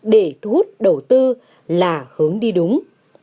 để thu hút đầu tư là hướng đi đúng